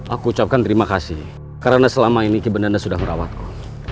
aku ucapkan terima kasih karena selama ini kebenanda sudah merawatku